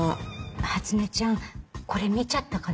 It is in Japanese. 初音ちゃんこれ見ちゃったかな？